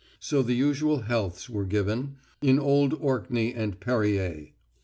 So the usual healths were given in Old Orkney and Perrier.